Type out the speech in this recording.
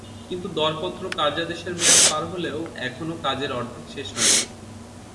কিন্তু দরপত্র কার্যাদেশের মেয়াদ পার হলেও এখনো কাজের অর্ধেক শেষ হয়নি।